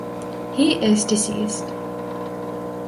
He is deceased.